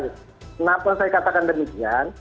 kenapa saya katakan demikian